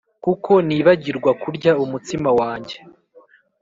Kuko nibagirwa kurya umutsima wanjye